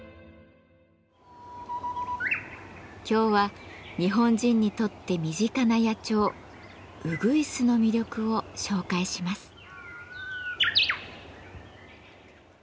今日は日本人にとって身近な野鳥うぐいすの魅力を紹介します。